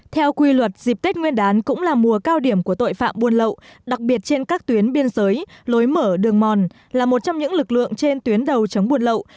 theo quy luật dịp tết nguyên đán cũng là mùa cao điểm của tội phạm buôn lậu đặc biệt trên các tuyến biên giới lối mở đường mòn là một trong những lực lượng trên tuyến đầu chống buôn lậu